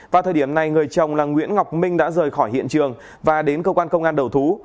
vào thời điểm này người chồng là nguyễn ngọc minh đã rời khỏi hiện trường và đến cơ quan công an đầu thú